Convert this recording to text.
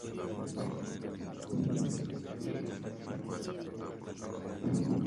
Se abrió las venas para evitar la condena del emperador Nerón.